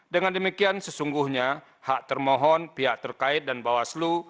dengan demikian sesungguhnya hak termohon pihak terkait dan bawaslu